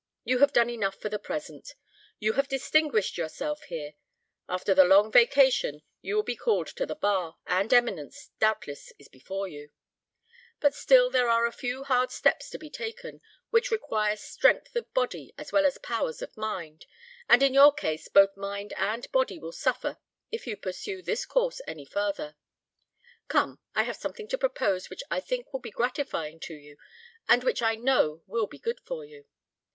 You have done enough for the present. You have distinguished yourself here; after the long vacation you will be called to the bar, and eminence, doubtless, is before you; but still there are a few hard steps to be taken, which require strength of body as well as powers of mind, and in your case both mind and body will suffer if you pursue this course any farther. Come, I have something to propose which I think will be gratifying to you, and which I know will be good for you.